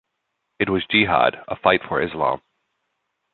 It was a Jihad, a fight for Islam.